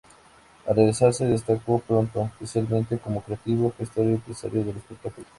Al regreso se destacó pronto, especialmente como creativo, gestor y empresario del espectáculo.